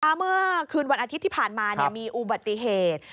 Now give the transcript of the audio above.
เมื่อคืนวันอาทิตย์ที่ผ่านมามีอุบัติเหตุ